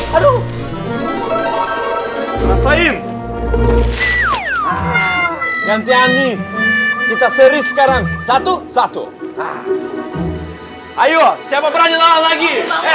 hai ngapain ganti ani kita seri sekarang sebelas ayo siapa berani lagi